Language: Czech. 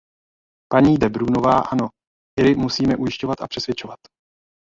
Paní de Brúnová, ano, Iry musíme ujišťovat a přesvědčovat.